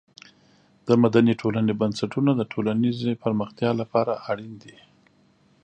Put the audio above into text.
د مدني ټولنې بنسټونه د ټولنیزې پرمختیا لپاره اړین دي.